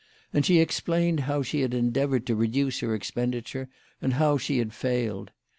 And she ex plained how she had endeavoured to reduce her expen diture, and how she had failed.